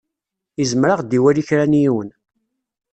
Izmer ad ɣ-d-iwali kra n yiwen.